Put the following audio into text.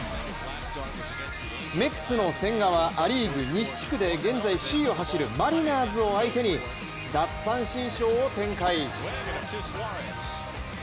メッツの千賀は、ア・リーグ西地区で現在首位を走るマリナーズを相手に奪三振ショーを展開。